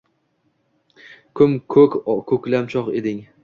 Ko‘m-ko‘k ko‘klam chog‘ eding.